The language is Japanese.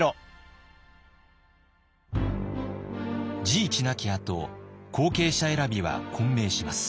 治一亡きあと後継者選びは混迷します。